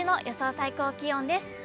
最高気温です。